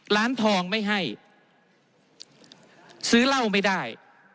ร้านทองไม่ให้ซื้อเหล้าไม่ได้